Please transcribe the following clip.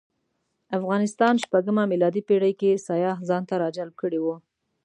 افغانستان شپږمه میلادي پېړۍ کې سیاح ځانته راجلب کړی و.